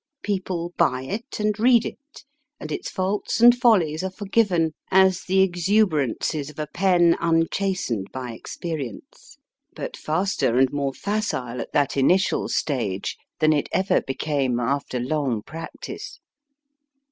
People buy it and read it, and its faults and follies are forgiven as the exuberances of a pen THE LIP.RARY unchastened by experience ; but faster and more facile at that initial stage than it ever became after long practice.